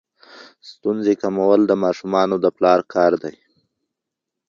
ستونزې کمول د ماشومانو د پلار کار دی.